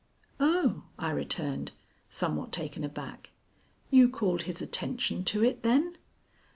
"Oh," I returned, somewhat taken aback; "you called his attention to it, then?"